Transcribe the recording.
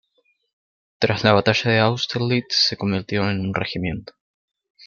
Tras la batalla de Austerlitz, se convirtieron en un regimiento.